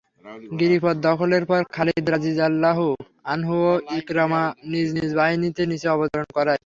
গিরিপথ দখলের পর খালিদ রাযিয়াল্লাহু আনহু ও ইকরামা নিজ নিজ বাহিনীকে নিচে অবতরণ করায়।